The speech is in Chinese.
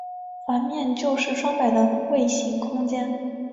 环面就是双摆的位形空间。